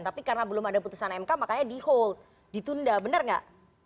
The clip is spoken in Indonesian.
tapi karena belum ada putusan mk makanya di hold ditunda benar nggak